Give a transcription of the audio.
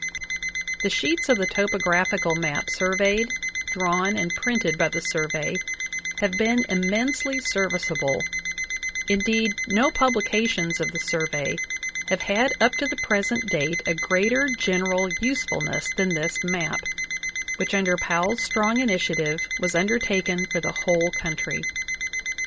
The sheets of the topographical map surveyed, drawn, and printed by the Survey have been immensely serviceable ; in deed, no publications of the Survey have had up to the present date a greater general usefulness than this map, which, under Powell's strong initiative, was undertaken for the whole coun try.